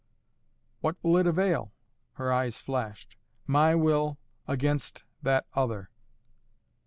"What will it avail?" Her eyes flashed. "My will against that other."